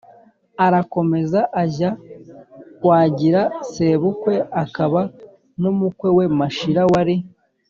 arakomeza ajya kwagira sebukwe akaba n'umukwe we mashira wari